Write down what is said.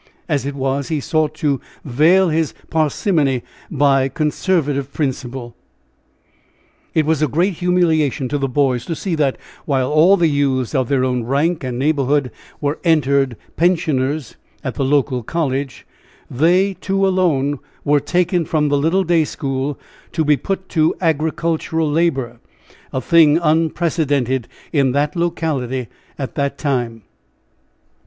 As it was, he sought to veil his parsimony by conservative principle. It was a great humiliation to the boys to see that, while all the youths of their own rank and neighborhood were entered pensioners at the local college, they two alone were taken from the little day school to be put to agricultural labor a thing unprecedented in that locality at that time.